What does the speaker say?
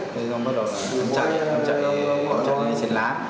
thế xong bắt đầu anh chạy em chạy qua chạy lên trên làn